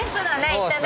行ったね。